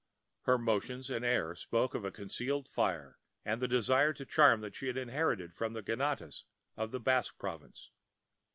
Her motions and air spoke of the concealed fire and the desire to charm that she had inherited from the gitanas of the Basque province.